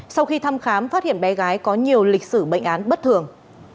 sau khi thăm khám phát hiện bé gái có nhiều lịch sử bệnh án bất thường